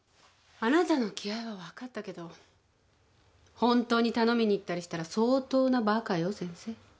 あなたの気合は分かったけど本当に頼みに行ったりしたら相当なバカよセンセ？